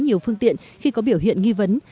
nhiều phương tiện khi có biểu hiện nghi vấn